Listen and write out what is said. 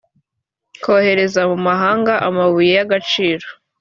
kohereza mu mahanga amabuye y agaciro